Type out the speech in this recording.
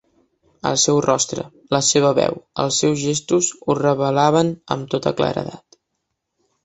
El seu rostre, la seva veu, els seus gestos ho revelaven amb tota claredat.